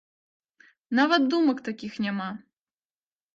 Нават думак такіх няма!